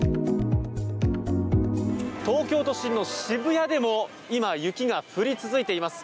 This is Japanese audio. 東京都心の渋谷でも今、雪が降り続いています。